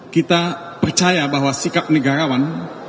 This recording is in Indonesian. kita percaya bahwa sikap negarawan